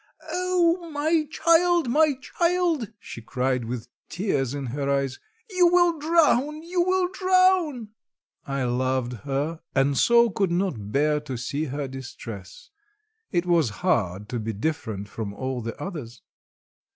"Oh, my child! my child!" she cried, with tears in her eyes. "You will drown! You will drown!" I loved her, and so could not bear to see her distress. It was hard to be different from all the others.